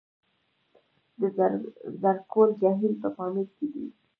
د زرکول جهیل په پامیر کې دی